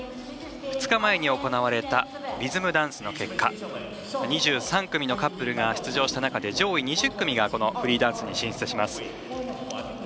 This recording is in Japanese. ２日前に行われたリズムダンスの結果２３組のカップルが出場した中上位２０組がフリーダンスに進みます。